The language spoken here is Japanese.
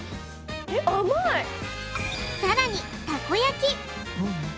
さらにたこ焼き。